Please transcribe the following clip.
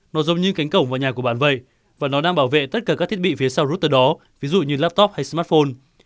nó giống như cánh cổng vào nhà của bạn vậy và nó đang bảo vệ tất cả các thiết bị phía sau router đó ví dụ như laptop hay smartphone